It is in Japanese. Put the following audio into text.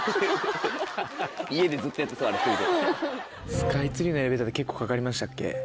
スカイツリーのエレベーターって結構かかりましたっけ。